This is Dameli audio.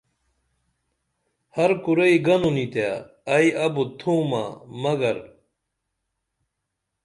ہر کُرئی گنُنی تے ائی ابُت تھومہ مگر